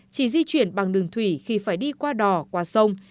chỉ di chuyển bằng đường thủy khi phải đi qua đò qua sông